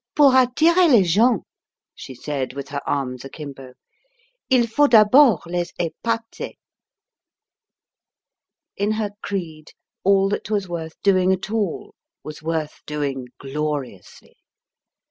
"Pour attirer les gens," she said, with her arms akimbo, "il faut d'abord les épater." In her creed all that was worth doing at all was worth doing gloriously.